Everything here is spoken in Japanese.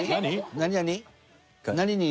何？